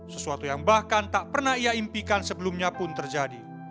sesuatu yang bahkan tak pernah ia impikan sebelumnya pun terjadi